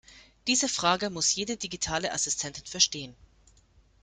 Diese Frage muss jede digitale Assistentin verstehen.